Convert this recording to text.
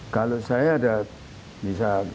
kalau saya ada misal